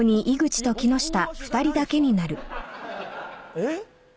えっ？